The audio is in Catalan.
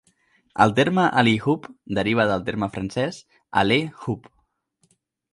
El terme "alley-oop" deriva del terme francès "allez hop!"